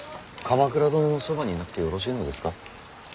鎌倉殿のそばにいなくてよろしいのですか。